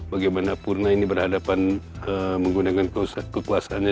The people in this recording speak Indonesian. bagaimana purna ini berhadapan menggunakan kekuasaannya